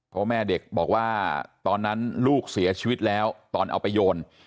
เพราะแม่เด็กบอกว่าตอนนั้นลูกเสียชีวิตแล้วตอนเอาไปโยน